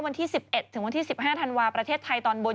วันที่๑๑๑๕ธันวาค์ประเทศไทยตอนบน